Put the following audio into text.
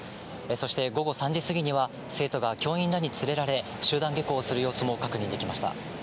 そして午後３時過ぎには、生徒が教員らに連れられ、集団下校する様子も確認できました。